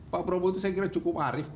pak prabowo itu saya kira cukup arif